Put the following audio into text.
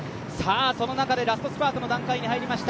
その中でラストスパートの段階に入りました。